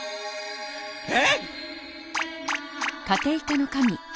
えっ？